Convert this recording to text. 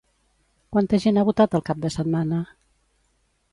Quanta gent ha votat el cap de setmana?